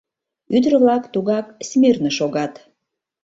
Ӱдыр-влак тугак «смирно» шогат.